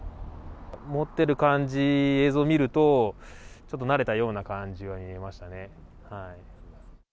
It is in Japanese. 持ってる感じ、映像を見ると、ちょっと慣れたような感じに見えましたね。